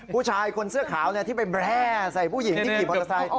ผู้ชายคนเสื้อขาวที่ไปแร่ใส่ผู้หญิงที่ขี่มอเตอร์ไซค์